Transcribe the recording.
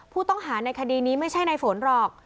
ผู้ต้องหาในคดีนี้ไม่ใช่ในฝนหรอก